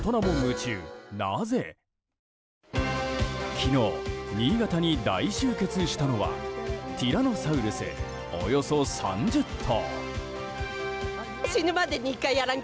昨日、新潟に大集結したのはティラノサウルスおよそ３０頭。